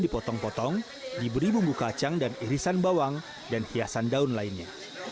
dipotong potong diberi bumbu kacang dan irisan bawang dan hiasan daun lainnya